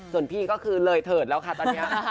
ส่วนพี่ก็คือเลยเถิดแล้วค่ะตอนนี้